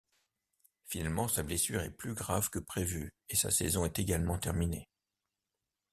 Finalement, sa blessure est plus grave que prévu et sa saison est également terminée.